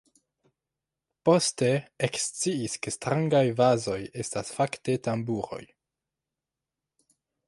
Poste eksciis ke strangaj vazoj estas fakte tamburoj.